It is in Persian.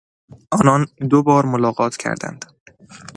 آنان دوبار ملاقات کردند.